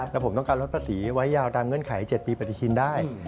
แล้วผมต้องการลดภาษีไว้ยาวตามเงื่อนไข๗ปีปฏิทินได้